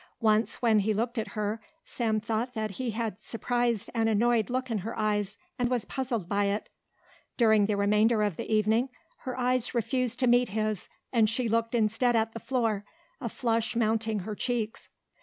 Once when he looked at her Sam thought that he had surprised an annoyed look in her eyes and was puzzled by it. During the remainder of the evening her eyes refused to meet his and she looked instead at the floor, a flush mounting her cheeks.